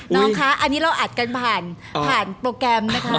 น้องคะอันนี้เราอัดกันผ่านโปรแกรมนะคะ